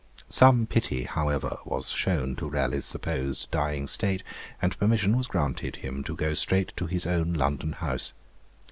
Some pity, however, was shown to Raleigh's supposed dying state, and permission was granted him to go straight to his own London house.